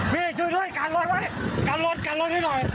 พี่ช่วยด้วยการรถไว้กันรถกันรถให้หน่อย